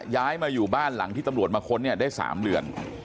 ย้ายมาอยู่บ้านหลังที่ตำรวจมาค้นเนี่ยได้๓เดือน